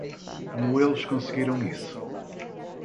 Como eles conseguiram isso?